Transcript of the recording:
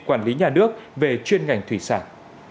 quản lý nhà nước về chuyên ngành thủy sản